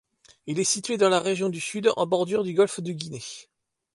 Il est situé dans la région du Sud, en bordure du golfe de Guinée.